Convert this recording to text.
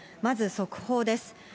まず速報です。